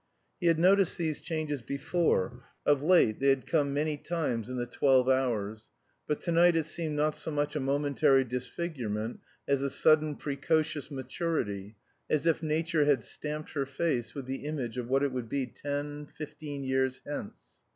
He had noticed these changes before; of late they had come many times in the twelve hours; but to night it seemed not so much a momentary disfigurement as a sudden precocious maturity, as if nature had stamped her face with the image of what it would be ten, fifteen years hence.